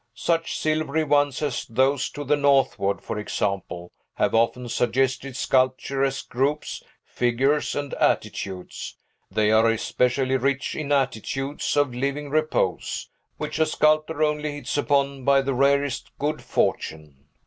Such silvery ones as those to the northward, for example, have often suggested sculpturesque groups, figures, and attitudes; they are especially rich in attitudes of living repose, which a sculptor only hits upon by the rarest good fortune.